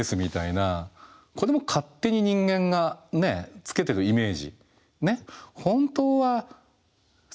これも勝手に人間がねつけてるイメージ。